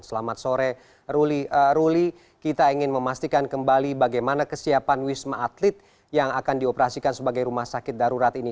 selamat sore ruli kita ingin memastikan kembali bagaimana kesiapan wisma atlet yang akan dioperasikan sebagai rumah sakit darurat ini